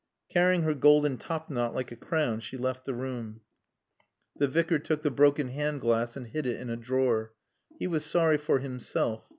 Carrying her golden top knot like a crown, she left the room. The Vicar took the broken hand glass and hid it in a drawer. He was sorry for himself.